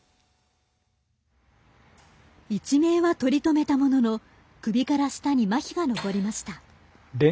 一命はとりとめたものの首から下にまひが残りました。